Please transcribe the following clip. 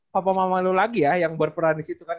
papa mama lu lagi ya yang berperan di situ kan